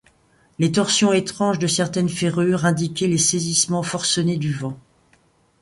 Les torsions étranges de certaines ferrures indiquaient les saisissements forcenés du vent.